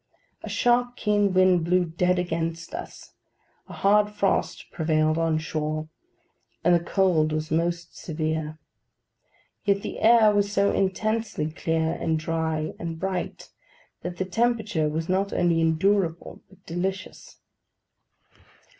A sharp keen wind blew dead against us; a hard frost prevailed on shore; and the cold was most severe. Yet the air was so intensely clear, and dry, and bright, that the temperature was not only endurable, but delicious.